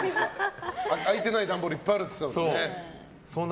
開いてない段ボールいっぱいあるって言ってたもんね。